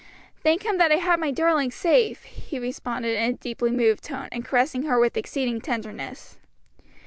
"Thank Him that I have my darling safe." he responded in a deeply moved tone, and caressing her with exceeding tenderness.